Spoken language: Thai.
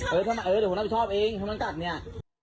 เออเดี๋ยวหัวหน้าผิดชอบเองถ้ามันกัดเนี่ย